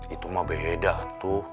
itu mah beda tuh